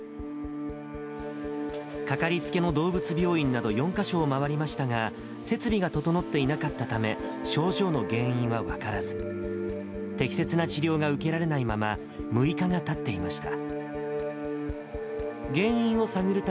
掛かりつけの動物病院など４か所を回りましたが、設備が整っていなかったため、症状の原因は分からず、適切な治療が受けられないまま、６日がたっていました。